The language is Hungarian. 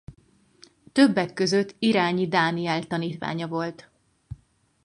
Többek között Irányi Dániel tanítványa volt.